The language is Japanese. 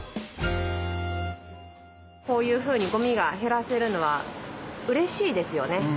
こういうふうにゴミが減らせるのはうれしいですよね。